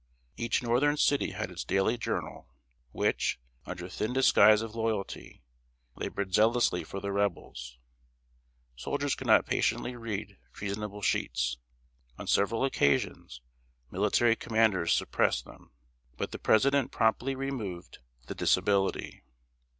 Each northern city had its daily journal, which, under thin disguise of loyalty, labored zealously for the Rebels. Soldiers could not patiently read treasonable sheets. On several occasions military commanders suppressed them, but the President promptly removed the disability.